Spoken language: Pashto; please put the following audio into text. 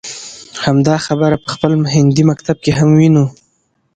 همدا خبره په خپل هندي مکتب کې هم وينو.